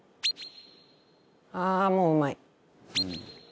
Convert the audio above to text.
ああーもううまい。